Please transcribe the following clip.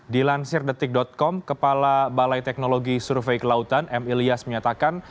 dilansir detik com kepala balai teknologi survei kelautan m ilyas menyatakan